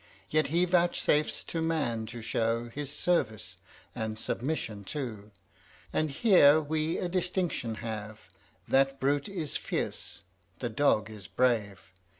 Yet he vouchsafes to man to show His service, and submission too And here we a distinction have; That brute is fierce the dog is brave.